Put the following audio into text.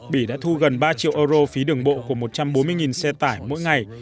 bỉ đã thu gần ba triệu euro phí đường bộ của một trăm bốn mươi xe tải mỗi ngày